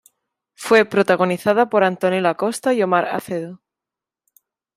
Fue protagonizada por Antonella Acosta y Omar Acedo.